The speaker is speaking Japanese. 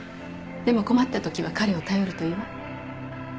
でも困ったときは彼を頼るといいわ。